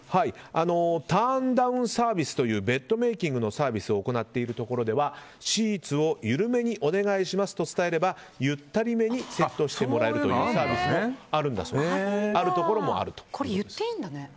ターンダウンサービスというベッドメイキングのサービスを行っているところではシーツを緩めにお願いしますと伝えればゆったりめにセットしてもらえるというサービスもあるところもあると。